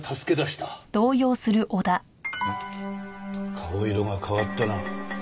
顔色が変わったな。